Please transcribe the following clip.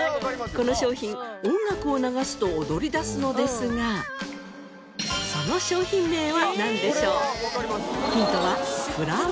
この商品音楽を流すと踊りだすのですがその商品名はなんでしょう？